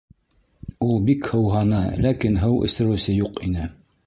Ул бик һыуһаны, ләкин һыу эсереүсе юҡ ине.